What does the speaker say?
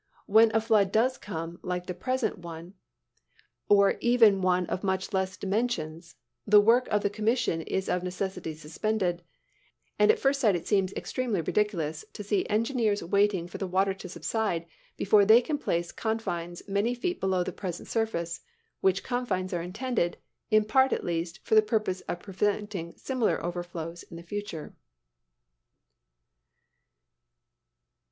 When a flood does come, like the present one, or even one of much less dimensions, the work of the commission is of necessity suspended, and at first sight it seems extremely ridiculous to see engineers waiting for the water to subside before they can place confines many feet below the present surface, which confines are intended, in part at least, for the purpose of preventing similar overflows in the future." [Illustration: THE HOLLAND DYKES.